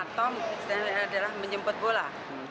atau mungkin secara real adalah menjemput bola